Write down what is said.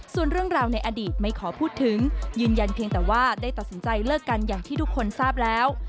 ส่วนเรื่องราวในอดีตไม่ขอพูดถึงยืนยันเพียงแต่ว่าได้ตัดสินใจเลิกกันอย่างที่ทุกคนทราบแล้ว